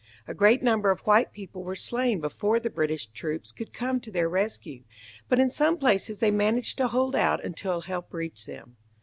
A great number of white people were slain before the British troops could come to their rescue, but in some places they managed to hold out until help reached them.